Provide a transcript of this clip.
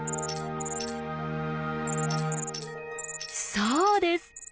そうです！